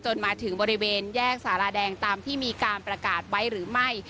มาถึงบริเวณแยกสาราแดงตามที่มีการประกาศไว้หรือไม่